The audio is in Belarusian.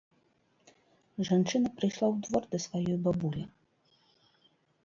Жанчына прыйшла ў двор да сваёй бабулі.